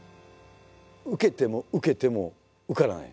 受けても受けても受からない。